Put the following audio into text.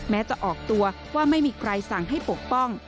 แม้จะออกตัวว่าไม่มีใครสั่งให้ปกป้อง